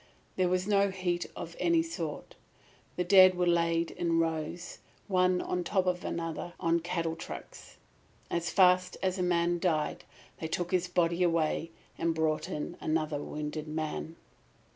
There was no heat of any sort. The dead were laid in rows, one on top of another, on cattle trucks. As fast as a man died they took his body away and brought in another wounded man.